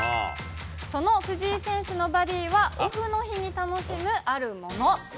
その藤井選手のバディは、オフの日に楽しむあるもの。